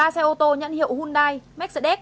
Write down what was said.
ba xe ô tô nhận hiệu hyundai mercedes